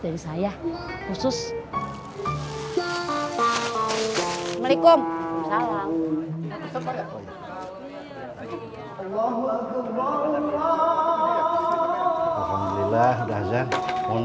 eh ibu aja tadi dikasih bonus